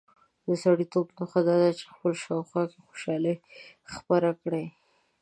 د سړیتوب نښه دا ده چې په خپل شاوخوا کې خوشالي خپره کړي.